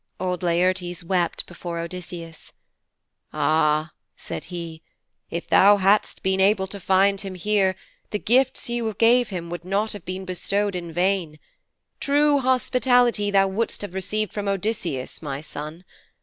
Old Laertes wept before Odysseus. 'Ah,' said he, 'if thou hadst been able to find him here, the gifts you gave him would not have been bestowed in vain. True hospitality thou wouldst have received from Odysseus, my son.